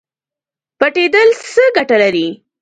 پټیدل څه ګټه لري؟